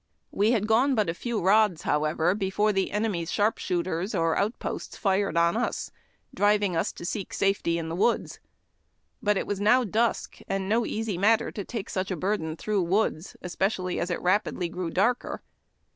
We had gone but a few rods, however, before the enemy's sliar|)shooters or outposts fired on us, driving us to seek safety in the woods. But it was now dusk, and no easy matter to take such a burden through woods, especially as it rapidly grew darker.